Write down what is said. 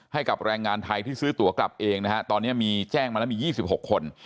ให้กับแรงงานไทยที่ซื้อตัวกลับเองนะฮะตอนนี้มีแจ้งมาแล้วมี๒๖คน